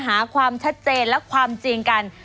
หาความชัดเจนและความจริงกัน